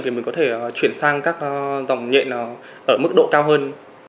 thì mình có thể chuyển sang các dòng nhện ở mức độ cao hơn